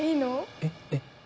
えっえっ。